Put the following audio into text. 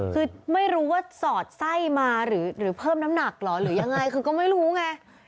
คือไม่รู้ว่าสอดไส้มาหรือเพิ่มน้ำหนักเหรอหรือยังไงคือก็ไม่รู้ไง